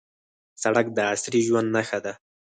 سړک د عصري ژوند نښه ده.